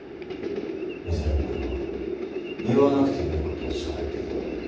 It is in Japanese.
いずれお前は言わなくてよいことをしゃべっていただろう。